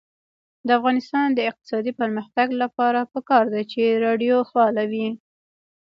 د افغانستان د اقتصادي پرمختګ لپاره پکار ده چې راډیو فعاله وي.